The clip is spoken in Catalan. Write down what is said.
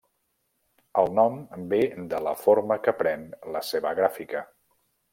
El nom ve de la forma que pren la seva gràfica.